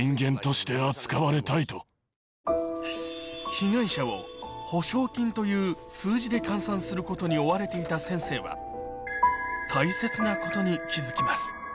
被害者を補償金という数字で換算することに追われていた先生は大切なことに気付きます